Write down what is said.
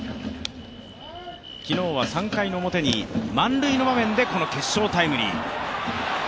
昨日は３回の表に満塁の場面でこの決勝タイムリー。